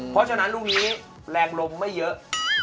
เพราะฉะนั้นพรุ่งนี้แรงลมไม่เยอะ